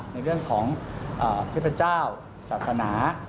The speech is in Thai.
ในเรื่องของเทพเจ้าศาสนา